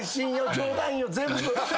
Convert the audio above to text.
冗談よ全部。